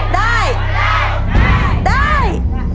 ได้